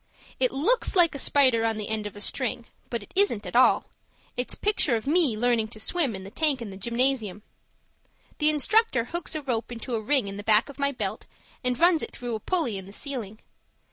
It looks like a spider on the end of a string, but it isn't at all; it's a picture of me learning to swim in the tank in the gymnasium. The instructor hooks a rope into a ring in the back of my belt, and runs it through a pulley in the ceiling.